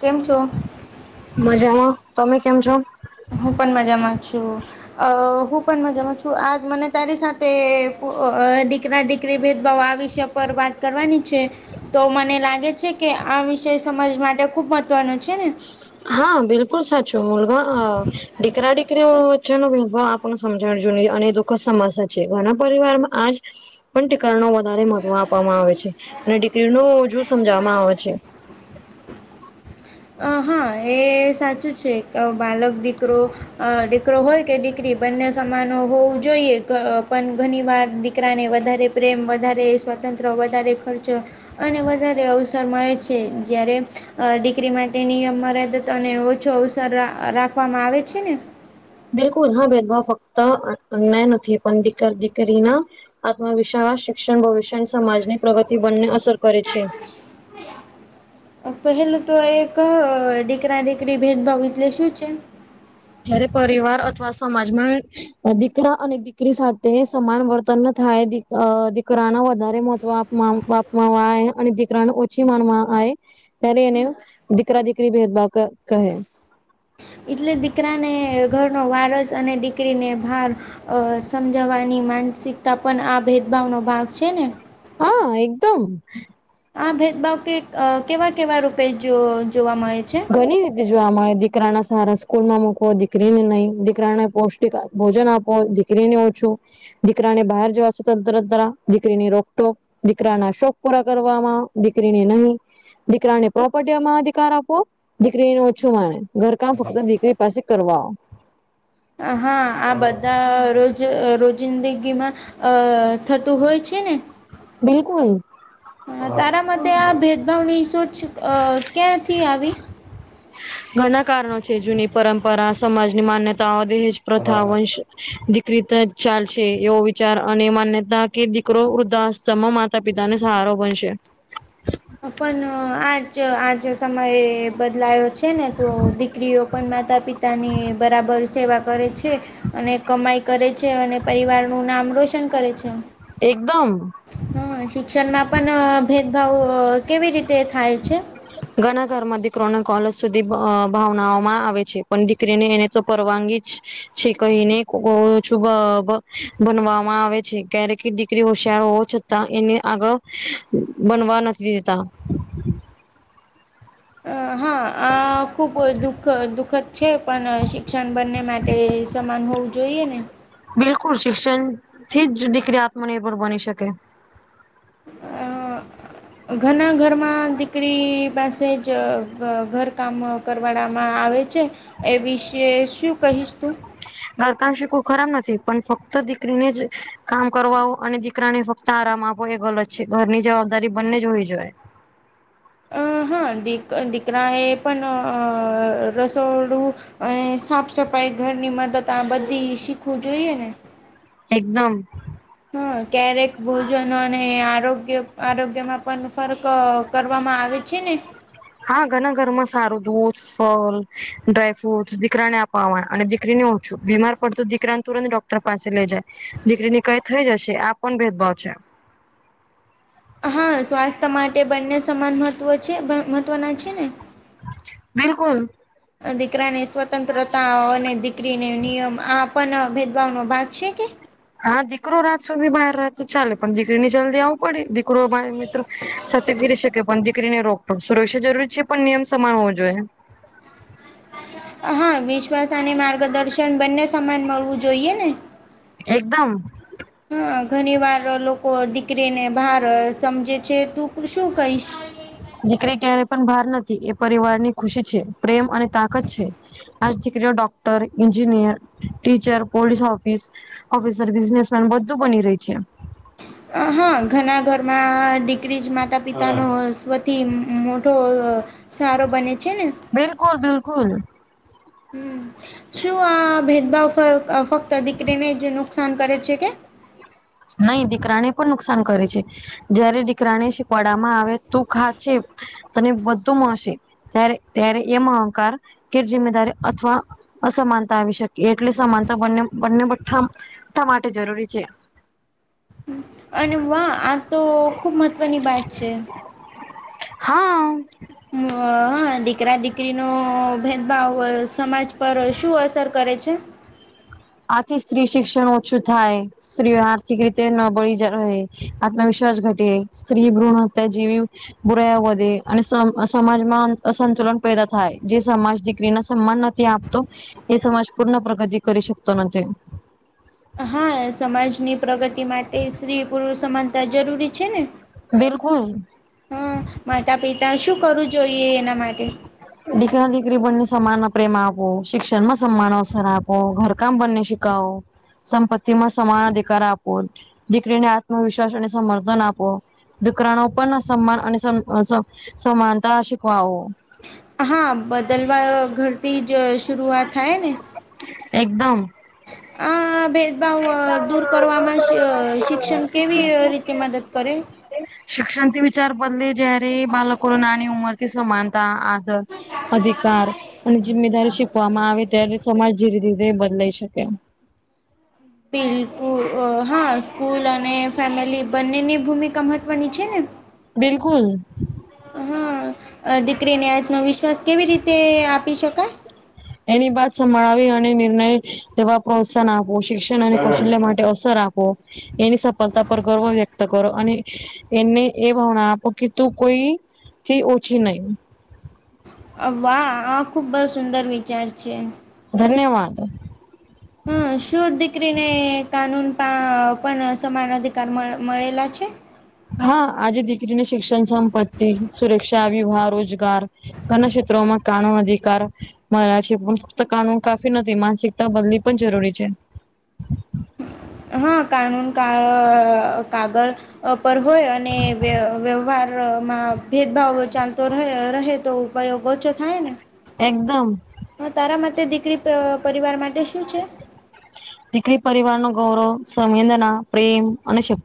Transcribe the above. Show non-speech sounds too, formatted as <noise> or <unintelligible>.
કેમ છો? મજામાં તમે કેમ છો? હું પણ મજા માં છું. અ હું પણ મજામાં છું આજ મને તારી સાથે દીકરા દીકરી. દિકરી ભેદભાવ આ વિષય પર વાત કરવાની છે. તો મને લાગે છે કે આ વિષય સમાજ માટે ખુબ મહત્વનો છે ને- - હા બિલકુલ સાચું મુલગ- - દીકરા દીકરીઓ વચ્ચેનોો ભેદભાવ આપણને સમજણ જો ન અને દુઃખ સમસ્યા છે ઘના પરિવારમાં આજ- - પણ ીકરા ન વધારે મહત્વ આપવામાં આવે છે અને દીકરી ન જોુ સમજાવવામાં આવે છે- - અ હા એ સાચું છે બાલક દીકરો દીકરો હોય કે દીકરી- - બંને સમાનો હોવું જોઈએ પણ ઘણી વાર દીકરાને વધારે પ્રેમ વધારે- - તંત્ર વધારે ખર્ચો અને વધારે અવસર મળે છે જારે- - દીકરી માટે નિયમ મરદત અને ઓછો અવસર રાખવામાં આવે છે ને- - બિલકુલ હા ભેદભાવ ફક્ત અ્યા નથી પણ દીકર દીકરીના- - આત્મવિશ્વાસ શિક્ષણ ભવિષ્ય સમાજની પ્રગતિ બંને અસર કરે છે- - પહેલું તો એક દીકરા દીકરી ભેદભાવ એટલે શું છે? જયારે પરિવાર અથવા સમાજમાં દીકરા અને દીકરી સાથે સમાન વર્તન ન થાય દીકરાને વધારે મહત્વ આપવામાં આવે છે. મા બાપ મા અને દીકરાને ઓછી માનમાં આયે. ત્યારે એને દીકરા દીકરી ભેદભાવ કહે. એટલે દીકરાને ઘરનો વારસ અને દીકરીને ભાર સમજાવવાની માનસિકતા પણ આ ભેદભાવ નો ભાગ છે ને હા એકદમ. આ ભેદભાવ કેવા કેવા રૂપે જોવા મળે છે? ઘણી રીતે જોવા મળે દીકરા ને સારા સ્કૂલ માં મૂકવો દીકરીને નહી દીકરાને પૌષ્ટિક ભોજન આપો દિકરી ને નહિ દીકરીને ઓછું દીકરાને બહાર જવાશેરતરા દીકરીની રોકટોક દીકરાના શોખ પૂરા કરવામાં દીકરીને નહી. દીકરાને પ્રોપર્ટી માં અધિકાર આપો. દીકરીનું ઓછું માને ઘરકામ ફક્ત દીકરી પાસે કરવા આવ. હા આ બધા રોજ રોજિંદગીમાં થતું હોય છે ને બિલકુલ હ તારા મતે આ ભેદભાવની શોચ ક્યાંથી આવી ઘણા કારણો છે જૂની પરંપરા, સમાજની માન્યતાઓ, દહેજ પ્રથા વંશ દીકરી ચાલશે એવો વિચાર અને માન્યતા કે દીકરો વૃદ્ધાસ્તમ માત્ર માતા પિતાને સહારો બનશે પણ આજ આજ સમય બદલાયો હતો છે ને તો દીકરીઓ પણ માતા પિતા ની બરાબર સેવા કરે છે અને કમાઈ કરે છે અને પરિવાર નું નામ રોશન કરે છે એકદમ હા શિક્ષણમાં પણ ભેદભાવ કેવી રીતે થાય છે? ઘણા ઘરમાં દીકરાને કોલજ સુધી ભણાવવામાં આવે છે પણ દીકરીને એને પરવાનગી જ છે કહીને ઓછું બનવામાં આવે છે ક્યારેક દીકરી હોશિયાર હો છ એને આગળ ભણવા નથી દેતા હા આ ખુબ દુઃખદ છે પણ શિક્ષણ બંને માટે સમાન હોવ જોઈએ ને બિલકુલ શિક્ષણ થી જ દીકરી આત્મનિર્ભર બની શકે અ <inaudible> ઘણા ઘરમાં દીકરી પાસે જ ઘરકામ કરાવવામાં આવે છે એ વિશે શું કહીશ તું આ શીખવું ખરાબ નથી પણ ફક્ત દીકરીને જ કામ કરવા અને દીકરાને ફક્ત આરામ આપવો એ ગલત છે ઘરની જવાબદારી બંને જ હોવી જોએ અ હા દીકરા એ પણ રસોડું અને સાફ-સફાઈ ઘરની મદદ આ બધું શીખવું જોઈએ ને એકદમ હા ક્યારેક ભોજન અને આરોગ્યમાં પણ ફરક કરવામાં આવે છે ને હા ઘણા ઘર માં સારું દૂધ ‌ ફળ ડ્રાયફ્રૂટસ દીકરાને આપવા અને દીકરીને ઓછું બીમાર પડતું દીકરાને તુરંત ડોક્ટર પાસે લઈ જાય દીકરી ની કઈ થઈ જશે આ પણ ભેદભાવ છે હા સ્વાસ્થ્ય માટે બંને સમાન મહત્વના છે ને બિલકુલ દીકરાને સ્વતંત્રતા અને દીકરીને નિયમ આપ પણ ભેદભનો ભાગ છે કે હા દીકરો રાત સુધી બહાર રહેતો ચાલે પણ દીકરીની જલ્દી આવ દીકરો મિત્રો સાથે ફરી શકે પણ કરીને રોકો સુરક્ષા જરૂરી છે પણ નિયમ સમાન હોવો જોઈએ. હા વિશ્વાસ અને માર્ગદર્શન બંને સમાન મળવું જોઈએ ને. એકદમ. હ ઘણી વાર લોકો દીકરીને બહાર સમજે છે તું શું કહીશ? દીકરી ક્યારે પણ ભાર નથી એ પરિવાર ની ખુશી છે પ્રેમ અને તાકાત છે. આજ દીકરીઓ doctor, engineer, teacher, police officer officer businessman બધું બની રહી છે. હા ઘણા ઘરમાં દીકરી જ માતા પિતાનો સૌથી મોટો સારો બને છે ને. બિલકુલ બિલકુલ. હમ શું આ ભેદભાવ ફક્ત દીકરીને જ નુકસાન કરે છે કે? નહી દીકરાને પણ નુકસાન કરે છે. જયારે દીકરાને શિપડામાં આવે તું <unintelligible> તને બધું મળશે ત્યારે ત્યારે એ અહંકાર કે જિમ્મેદારી અથવા અસમાનતા આવી શકે એટલે સમાનતા બને બંને બધા માટે જરૂરી છે. અને વાહ આ તો ખુબ મહત્વની વાત છે. હા. હ હ દીકરા દીકરીનો ભેદભાવ સમાજ પર શું અસર કરે છે આથી સ્ત્રી શિક્ષણ ઓછું થાય. સ્ત્રીઓ આર્થિક રીતે નબળી જ રહે. આત્મવિશ્વાસ ઘટે. સ્ત્રી ભ્રૂણહત્યા જેવી બુરાઇઓ વધે અને સમાજમાં અસંતુલન પેદા થાય જે સમાજ દીકરી ના સન્માનના આપતો એ સમાજ પૂર્ણ પ્રગતિ કરી શકતો નથી. હા સમાજની પ્રગતિ માટે સ્ત્રી પુરુ સમાનતા જરૂરી છે ને. બિલકુલ. હા માતા પિતા શું કરવું જોઈએ એના માટે? દીકરા દીકરી બને સમાન પ્રેમ આપો શિક્ષણમાં સમાન અવસર આપો ઘરકામ બંને <unintelligible> સંપત્તિ માં સમાન અધિકાર આપો દીકરીને આત્મવિશ્વાસ અને સમર્થન આપો. દીકરાનો પણ સમાન અને સમાનતા શીખવાવો. હા બદલવા ઘરથી જ શરૂઆત થાય ને. એકદમ. હા ભેદભાવ દૂર કરવામાં અ શિક્ષણ કેવી રીતે મદદ કરે? શિક્ષણથી વિચાર બદલે જયારે બાળકો નાની ઉંમર થી સમાન તા આદર અધિકાર અને જિમ્મેદારી શીખવામાં આવે ત્યારે સમાજ ધીરે ધીરે બદલાઈ શકે. બિલકુલ હા સ્કૂલ અને ફેમિલી બંનેની ભૂમિકા મહત્વની છે ને બિલકુલ. હા દીકરીને આત્મવિશ્વાસ કેવી રીતે આપી શકો એની બાત સંભળાવી અને નિર્ણય લેવા પ્રોત્સાહન આપવું શિક્ષણ અને કૌશલ્ય માટે અસર આપવો. એની સફળતા પર ગર્વ રે કરો અને એને એ ભાવના આપો કે તું કોઈ થી ઓછી નહી. વાહ આ ખુબ સુંદર વિચાર છે. ધન્યવાદ. હ શું દીકરીને કાનૂન પણ સમાન અધિકાર મળેલા છે? હા આજે દીકરીને શિક્ષણ સંપત્તિ સુરક્ષા વિવાહ રોજગાર ઘણા ક્ષેત્રોમાં કાનૂન અધિકાર મળ્યા છે પણ ફક્ત કાનૂન કાફી નથી માનસિકતા બદલી પણ જરૂરી છે. હા કાનૂન કા કાગળ પર હોય અને વ્યવહાર માં ભેદભાવ ચાલતો રહે રહે તો ઉપયોગ ઓછો થાય ને એકદમ હા તારા માટે દીકરી પરિવાર માટે શું છે? દીકરી પરિવાર નું ગૌરવ સંવેદના પ્રેમ અને શક્તિ